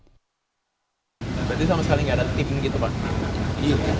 berarti sama sekali nggak ada tip gitu pak